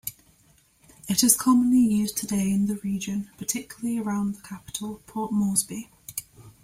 It is commonly used today in the region, particularly around the capital, Port Moresby.